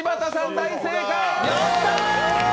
大正解！